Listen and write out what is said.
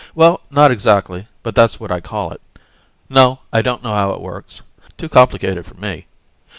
Well, not exactly, but that's what I call it. No, I don't know how it works. Too complicated for me.